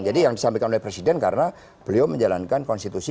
jadi yang disampaikan oleh presiden karena beliau menjalankan konstitusi